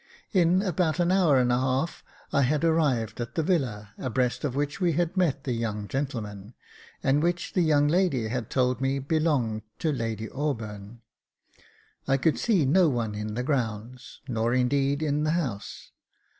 In about an hour and a half, I had arrived at the villa, abreast of which we had met the young gentleman, and which the young lady had told me belonged to Lady Auburn. I could see no one in the grounds, nor indeed in the house.